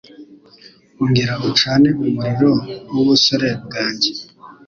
Ongera ucane umuriro w'ubusore bwanjye